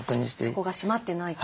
そこが閉まってないか。